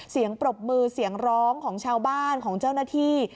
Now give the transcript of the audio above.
ปรบมือเสียงร้องของชาวบ้านของเจ้าหน้าที่